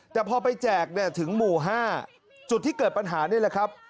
แต่พอไปแจกเนี่ยถึงหมู่๕จุดที่เกิดปัญหานี่แหละครับ